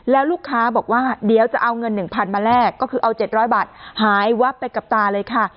แล้วลูกค้าบอกว่าเดี๋ยวจะเอาเงิน๑๐๐๐มาแลกก็คือเอา๗๐๐บาทหายวับไปกับตาเลยค่ะ